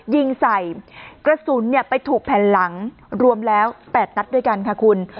ยิงใส่กระสุนเนี่ยไปถูกแผ่นหลังรวมแล้ว๘นัดด้วยกันค่ะคุณ